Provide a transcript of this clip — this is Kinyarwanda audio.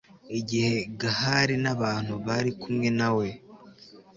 igihe gahali n'abantu bari kumwe na we